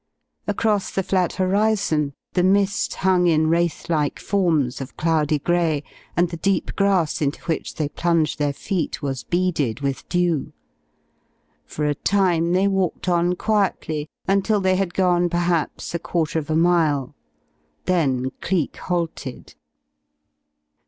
Across the flat horizon the mist hung in wraithlike forms of cloudy gray, and the deep grass into which they plunged their feet was beaded with dew. For a time they walked on quietly until they had gone perhaps a quarter of a mile. Then Cleek halted.